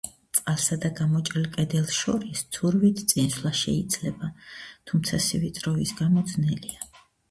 წყალსა და გამოჭრილ კედელს შორის ცურვით წინსვლა შეიძლება, თუმცა სივიწროვის გამო ძნელია.